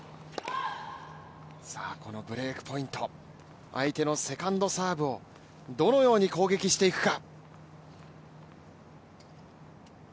このブレークポイント相手のセカンドサーブをどのように攻撃していくか。